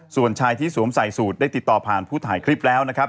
ส่วนชายที่สวมใส่สูตรได้ติดต่อผ่านผู้ถ่ายคลิปแล้วนะครับ